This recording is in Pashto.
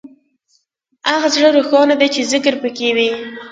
هغه زړه روښانه دی چې ذکر پکې وي.